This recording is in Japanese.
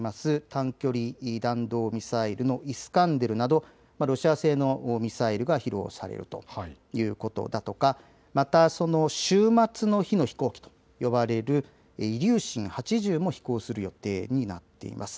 短距離弾道ミサイル、イスカンデルなどロシア製のミサイルが披露されるということだとか、またその終末の日の飛行機と呼ばれるイリューシン８０も飛行する予定になっています。